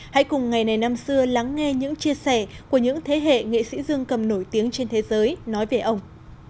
hãy cùng ngày này năm xưa lắng nghe những chia sẻ của những thế hệ nghệ sĩ dương cầm nổi tiếng trên thế giới nói về ông